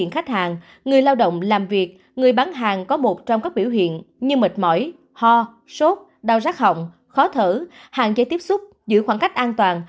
khói ho sốt đau rác hỏng khó thở hạn chế tiếp xúc giữ khoảng cách an toàn